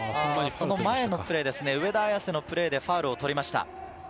その前のプレーですね、上田綺世のプレーでファウルを取りました。